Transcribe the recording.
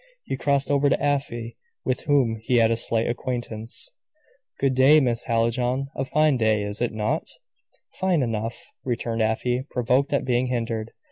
He crossed over to Afy, with whom he had a slight acquaintance. "Good day, Miss Hallijohn. A fine day, is it not?" "Fine enough," returned Afy, provoked at being hindered.